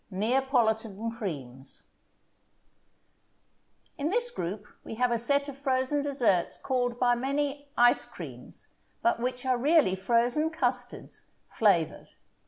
NEAPOLITAN CREAMS In this group we have a set of frozen desserts called by many "ice creams," but which are really frozen custards, flavored.